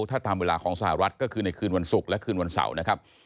ถ้าตามเวลาของสหรัฐก็คือในคืนวันศุกร์และคืนวันเสาร์นะครับ